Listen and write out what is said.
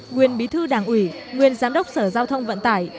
nguyên bí thư đảng ủy nguyên giám đốc sở giao thông vận tải